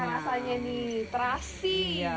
kita rasanya nih terasi